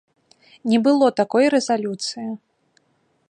Не было такой рэзалюцыі.